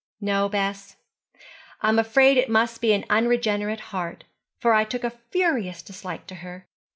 'No, Bess; I'm afraid it must be an unregenerate heart, for I took a furious dislike to her.